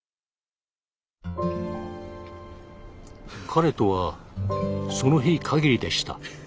彼とはその日限りでした。